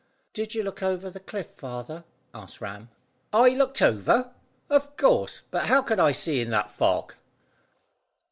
"Did you look over the cliff, father?" asked Ram. "I looked over? Of course, but how could I see in that fog?"